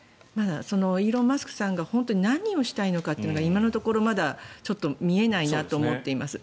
イーロン・マスクさんが本当に何をしたいのかが今のところまだちょっと見えないなと思っています。